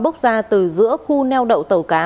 bốc ra từ giữa khu neo đậu tàu cá